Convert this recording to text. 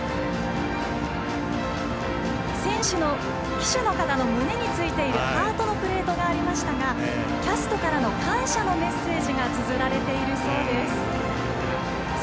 旗手の方の胸についているハートのプレートがありましたがキャストからの感謝のメッセージがつづられているそうです。